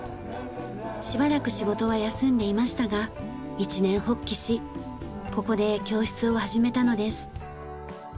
しばらく仕事は休んでいましたが一念発起しここで教室を始めたのです。